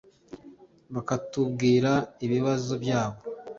bakatubwira ibibazo byabo